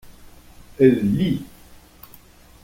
Elle lit.